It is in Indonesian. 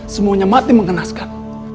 semuanya mati mengenaskan